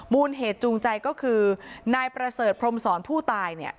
มูลเหตุจูงใจก็คือนายประเสริฐพรมศรผู้ตายเนี่ย